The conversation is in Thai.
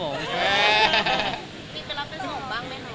มีเวลาไปส่งบ้างไหมครับ